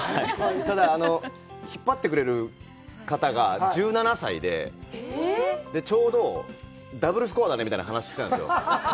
ただ、引っ張ってくれる方が１７歳で、ちょうどダブルスコアだねみたいな話をしていたんですよね。